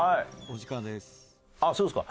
お時間です。